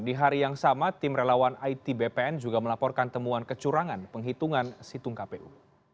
di hari yang sama tim relawan it bpn juga melaporkan temuan kecurangan penghitungan situng kpu